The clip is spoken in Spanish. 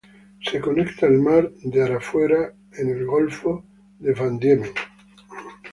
Se conecta el Mar de Arafura en el Golfo de Van Diemen.